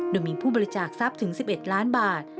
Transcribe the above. โดยมีผู้บริจาคทรัพย์ถึง๑๑ล้านบาท